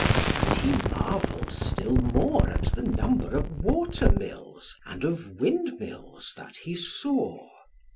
And he marvelled still more at the number of water mills and of wind mills that he saw.